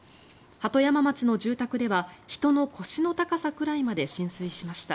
鳩山町の住宅では人の腰の高さくらいまで浸水しました。